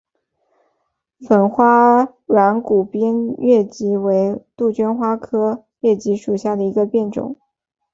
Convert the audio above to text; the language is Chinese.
粉花软骨边越桔为杜鹃花科越桔属下的一个变种。